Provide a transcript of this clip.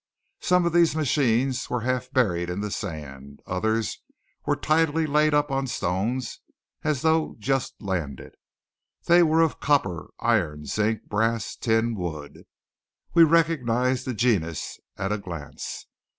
Some of these machines were half buried in the sand; others were tidily laid up on stones as though just landed. They were of copper, iron, zinc, brass, tin, wood. We recognized the genus at a glance.